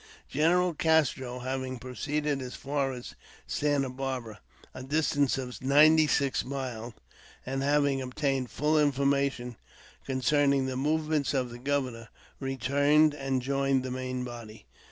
General Castro, having proceeded as far as Santa Barbara, a distance of ninety six miles, and having obtained full informa tion concerning the movements of the governor, returned and joined the main body.